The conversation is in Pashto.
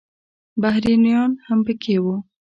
بهرنیان هم پکې وو.